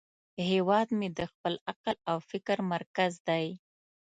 هیواد مې د خپل عقل او فکر مرکز دی